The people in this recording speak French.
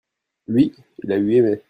lui, il a eu aimé.